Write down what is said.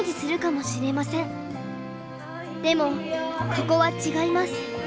でもここは違います。